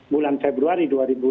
bulan februari dua ribu dua puluh